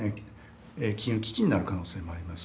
金融危機になる可能性もあります。